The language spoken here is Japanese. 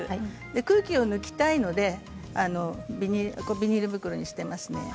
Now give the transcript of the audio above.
空気を抜きたいのでビニール袋にしています。